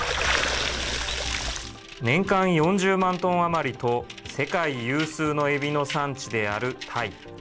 年間４０万トン余りと、世界有数のエビの産地であるタイ。